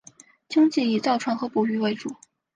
经济以造船和捕鱼为主。